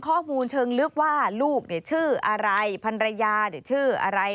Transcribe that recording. ข้อมูลเชิงลึกว่าลูกเนี่ยชื่ออะไรภรรยาเนี่ยชื่ออะไร